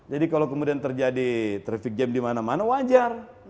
jadi kalau kemudian terjadi traffic jam di mana mana wajar